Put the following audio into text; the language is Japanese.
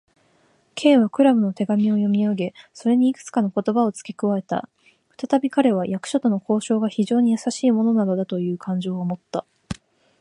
Ｋ はクラムの手紙を読みあげ、それにいくつかの言葉をつけ加えた。ふたたび彼は、役所との交渉が非常にやさしいものなのだという感情をもった。